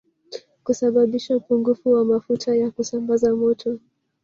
Kusababisha upungufu wa mafuta ya kusambaza moto